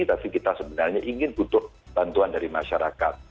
tapi kita sebenarnya ingin butuh bantuan dari masyarakat